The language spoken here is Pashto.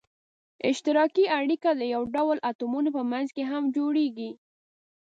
اشتراکي اړیکه د یو ډول اتومونو په منځ کې هم جوړیږي.